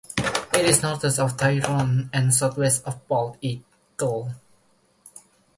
It is northeast of Tyrone and southwest of Bald Eagle.